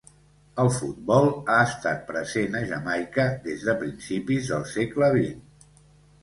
El futbol ha estat present a Jamaica des de principis del segle vint.